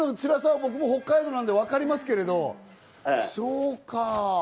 僕も北海道なので分かりますけれど、そうか。